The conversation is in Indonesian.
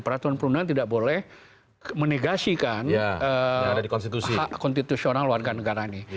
peraturan perundangan tidak boleh menegasikan hak konstitusional warga negara ini